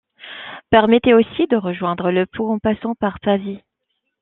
Permettaient aussi de rejoindre le Pô en passant par Pavie.